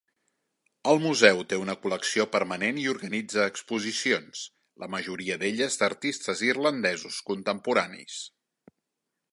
El museu té una col·lecció permanent i organitza exposicions, la majoria d'elles d'artistes irlandesos contemporanis.